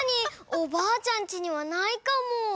おばあちゃんちにはないかも！